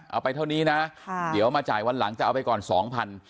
เอาไปเท่านี้นะเดี๋ยวมาจ่ายวันหลังจะเอาไปก่อนสองพัน